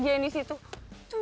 saya akan melaporkan